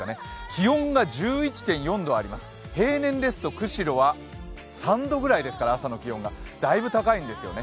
気温が１１．４度あります、平年ですと釧路は朝の気温が３度くらいですからだいぶ高いんですよね